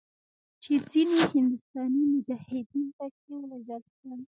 چې ځینې هندوستاني مجاهدین پکښې ووژل شول.